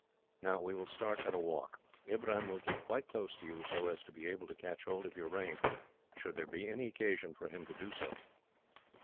"Now, we will start at a walk. Ibrahim will keep quite close to you, so as to be able to catch hold of your rein, should there be any occasion for him to do so."